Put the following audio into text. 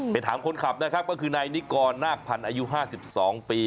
ไปถามคนขับนะครับก็คือนายนิกรนาคพันธ์อายุ๕๒ปี